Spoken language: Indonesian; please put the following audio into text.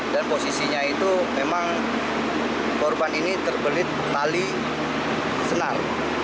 dan posisinya itu memang korban ini terbelit tali senar